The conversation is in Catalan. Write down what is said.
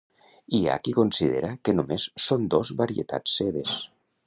Hi ha qui considera que només són dos varietats seves.